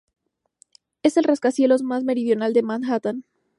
Es el rascacielos más meridional de Manhattan.